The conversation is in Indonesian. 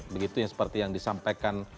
begitu seperti yang disampaikan